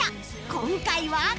今回は？